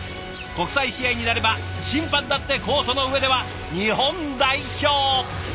国際試合になれば審判だってコートの上では「日本代表」。